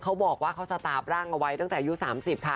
เขาบอกว่าเขาสตาร์ฟร่างเอาไว้ตั้งแต่อายุ๓๐ค่ะ